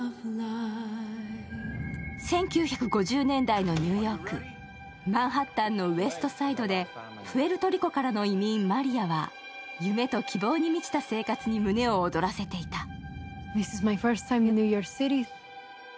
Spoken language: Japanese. １９５０年代のニューヨーク、マンハッタンのウエストサイドでプエルトリコからの移民、マリアは夢と希望に満ちた生活に胸を躍らせていた。